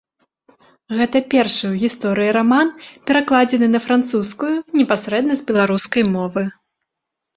Гэта першы ў гісторыі раман, перакладзены на французскую непасрэдна з беларускай мовы.